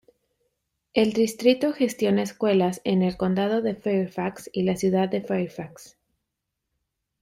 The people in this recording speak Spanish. El distrito gestiona escuelas en el condado de Fairfax y la Ciudad de Fairfax.